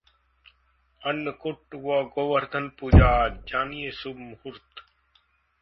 अन्नकूट व गोवर्धन पूजा आज, जानिए शुभ मुहूर्त